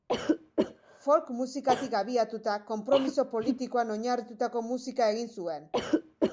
Folk musikatik abiatuta, konpromiso politikoan oinarritutako musika egin zuen.